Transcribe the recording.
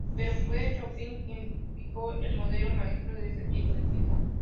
Pero fue Chopin quien fijó el modelo maestro de este tipo de pieza.